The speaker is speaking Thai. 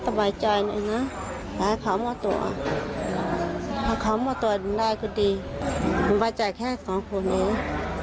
ถ้าเขาหมดตัวได้ก็ดีมันประจายแค่สองคนเอง